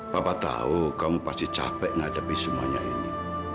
papa tahu kamu pasti capek ngadepi semuanya ini